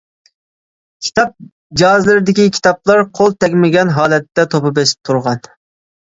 كىتاب جازىلىرىدىكى كىتابلار قول تەگمىگەن ھالەتتە توپا بېسىپ تۇرغان.